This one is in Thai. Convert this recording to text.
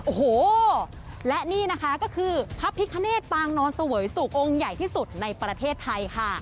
โอ้โหและนี่นะคะก็คือพระพิคเนตปางนอนเสวยสุของค์ใหญ่ที่สุดในประเทศไทยค่ะ